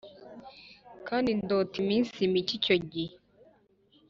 kandi ndota iminsi mike icyo gihe